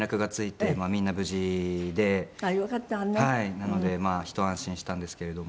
なのでひと安心したんですけれども。